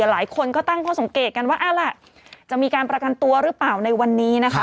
หลายคนก็ตั้งข้อสังเกตกันว่าเอาล่ะจะมีการประกันตัวหรือเปล่าในวันนี้นะคะ